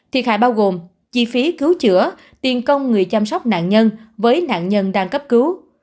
thiệt hại bao gồm chi phí cứu chữa tiền công người chăm sóc nạn nhân với nạn nhân đang cấp cứu